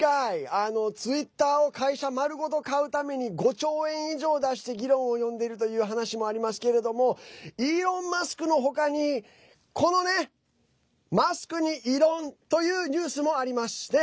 ツイッターを会社丸ごと買うために５兆円以上出して議論を呼んでいるという話もありますけれどもイーロン・マスクのほかにこのマスクに異論というニュースもあります。